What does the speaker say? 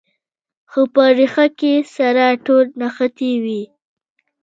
خو په ریښه کې سره ټول نښتي وي.